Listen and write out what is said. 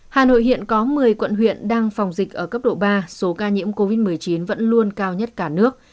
hà nội hiện có một mươi quận huyện đang phòng dịch ở cấp độ ba số ca nhiễm covid một mươi chín vẫn luôn cao nhất cả nước